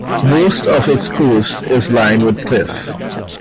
Most of its coast is lined with cliffs.